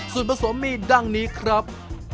สุดผสมมีดั่งนี้ครับ